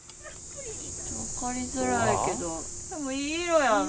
分かりづらいけど多分いい色やなあ。